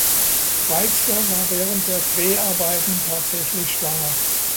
Weixler war während der Dreharbeiten tatsächlich schwanger.